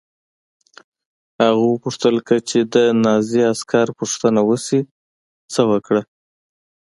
هغه وپوښتل چې که د نازي عسکر پوښتنه وشي څه وکړو